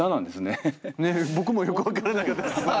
ねっ僕もよく分からなかったです。